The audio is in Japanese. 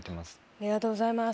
ありがとうございます。